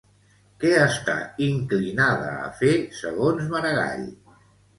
Què està inclinada a fer, segons Maragall?